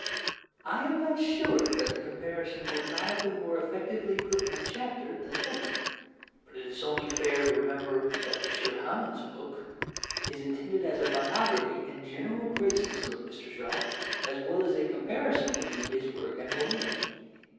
I am not sure that the comparison would not have been more effectively put in a chapter than a book, but it is only fair to remember that M. Hamon's book is intended as a biography and general criticism of Mr. Shaw as well as a comparison between his work and Molière's.